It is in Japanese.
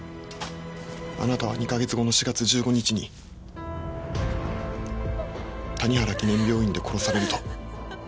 あなたは２か月後の４月１５日に谷原記念病院で殺されると。